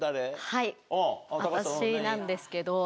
はい私なんですけど。